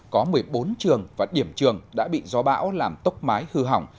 có một mươi bốn trường và điểm trường đã bị gió bão làm tốc mái hư hỏng